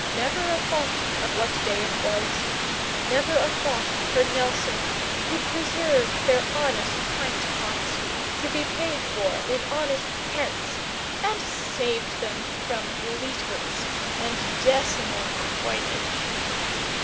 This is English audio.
Never a thought of what day it was, never a thought for Nelson, who preserved their honest pint pots, to be paid for in honest pence, and saved them from litres and decimal coinage.